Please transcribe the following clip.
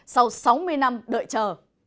sau sáu mươi năm đợi chờ